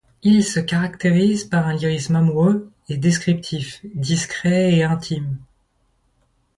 Ils se caractérisent par un lyrisme amoureux et descriptif, discret et intime.